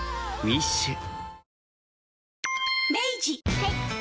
はい。